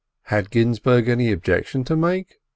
Had Ginzburg any objection to make?